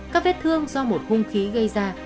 các vết thương do một hung khí gây ra